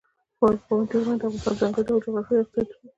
پابندی غرونه د افغانستان د ځانګړي ډول جغرافیه استازیتوب کوي.